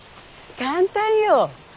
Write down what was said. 簡単よ。